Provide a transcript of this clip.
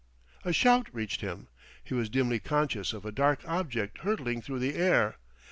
A shout reached him. He was dimly conscious of a dark object hurtling through the air.